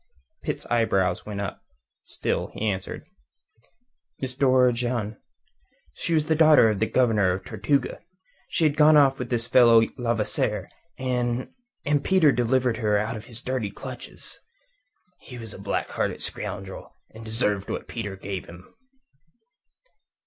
Pitt's eyebrows went up; still he answered. "Miss d'Ogeron. She was the daughter of the Governor of Tortuga. She had gone off with this fellow Levasseur, and... and Peter delivered her out of his dirty clutches. He was a black hearted scoundrel, and deserved what Peter gave him."